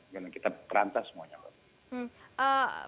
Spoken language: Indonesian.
karena kita terhantar semuanya mbak